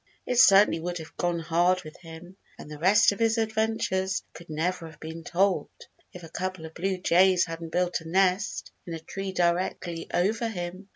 It certainly would have gone hard with him, and the rest of his adventures could never have been told, if a couple of blue jays hadn't built a nest in a tree directly over him.